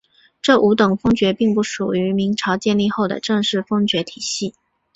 这五等封爵并不属于明朝建立后的正式封爵体系。